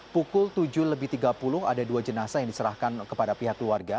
pukul tujuh lebih tiga puluh ada dua jenazah yang diserahkan kepada pihak keluarga